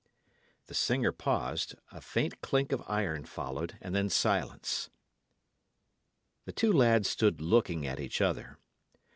'" The singer paused, a faint clink of iron followed, and then silence. The two lads stood looking at each other.